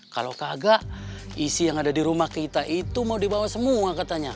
kalau kagak isi yang ada di rumah kita itu mau dibawa semua katanya